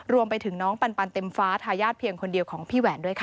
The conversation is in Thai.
รวมไปถึงน้องปันเต็มฟ้าทายาทเพียงคนเดียวของพี่แหวนด้วยค่ะ